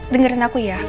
dengerin aku ya